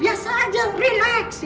biasa aja relax ya